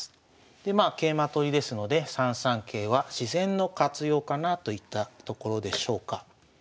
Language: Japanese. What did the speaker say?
でまあ桂馬取りですので３三桂は自然の活用かなといったところでしょうか。